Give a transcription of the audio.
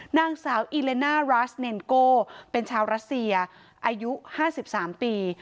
นางสาวอิเลน่ารัสเนนโกเป็นชาวรัสเซียอายุ๕๓ปี